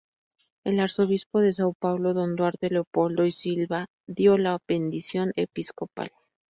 El arzobispo de Sao Paulo, Don Duarte Leopoldo y Silva dio la bendición episcopal.